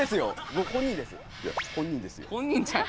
僕本人です